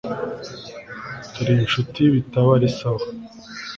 turi inshuti bitaba ari sawa